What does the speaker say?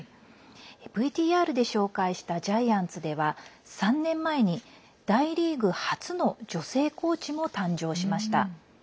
ＶＴＲで紹介したジャイアンツでは３年前に大リーグ初の女性コーチも誕生しました。